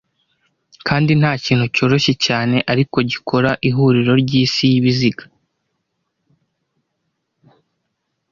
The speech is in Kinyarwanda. Kandi ntakintu cyoroshye cyane ariko gikora ihuriro ryisi yibiziga,